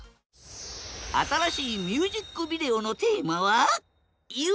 新しいミュージックビデオのテーマは夢